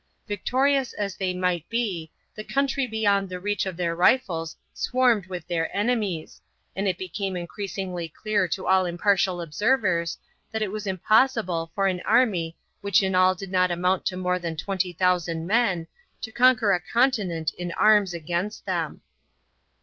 Victorious as they might be, the country beyond the reach of their rifles swarmed with their enemies, and it became increasingly clear to all impartial observers that it was impossible for an army which in all did not amount to more than 20,000 men to conquer a continent in arms against them.